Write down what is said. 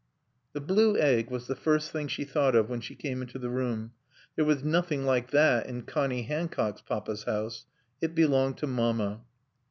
The blue egg was the first thing she thought of when she came into the room. There was nothing like that in Connie Hancock's Papa's house. It belonged to Mamma.